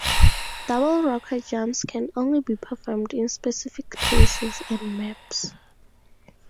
Double rocket jumps can only be performed in specific places and maps.